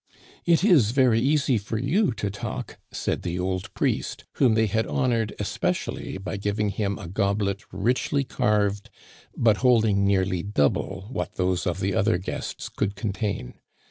'* It is very easy for you to talk," said the old priest, whom they had honored especially by giving him a gob let richly carved, but holding nearly double what those of the other guests could contain.